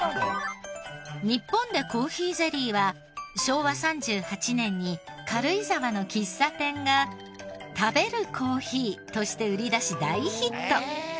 日本でコーヒーゼリーは昭和３８年に軽井沢の喫茶店が「食べるコーヒー」として売り出し大ヒット。